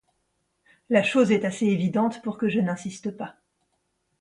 La chose est assez évidente pour que je n’insiste pas.